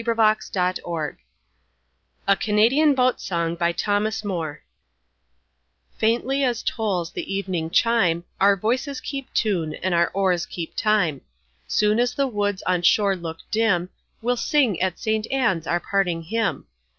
BENJAMIN FRANKLIN A CANADIAN BOAT SONG Faintly as tolls the evening chime Our voices keep tune and our oars keep time. Soon as the woods on shore look dim, We'll sing at St. Ann's our parting hymn.